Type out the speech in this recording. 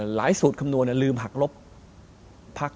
สูตรคำนวณลืมหักลบพัก